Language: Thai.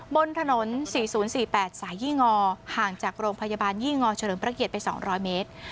บนถนน๔๐๔๘สายยี่งอห่างจากโรงพยาบาลยี่งอเฉลิมพระเกียรติไป๒๐๐เมตร